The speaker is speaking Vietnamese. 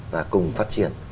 và cùng phát triển